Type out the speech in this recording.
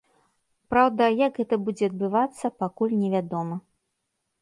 Праўда, як гэта будзе адбывацца, пакуль невядома.